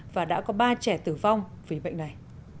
và đã có ba trẻ tử vong vì bệnh này